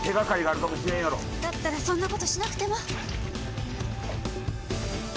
だったらそんなことしなくても。